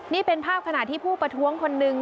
นี่เป็นภาพขณะที่ผู้ประท้วงคนนึง